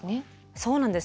そうなんです。